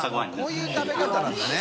こういう食べ方なんだね。